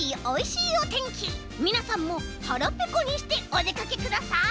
みなさんもはらぺこにしておでかけください！